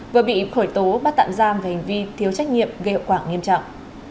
vừa bị khởi tố bắt tạm giam về hành vi thiếu trách nhiệm gây hậu quả nghiêm trọng